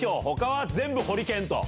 他は全部ホリケン。